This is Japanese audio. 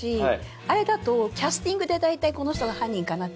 あれだとキャスティングでだいたいこの人が犯人かなって。